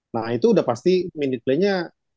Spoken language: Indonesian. nah itu udah pasti minute playnya